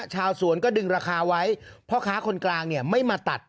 ชาวสวนก็ดึงราคาไว้พ่อค้าคนกลางเนี่ยไม่มาตัด